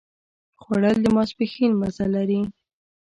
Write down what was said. خوړل د ماسپښين مزه لري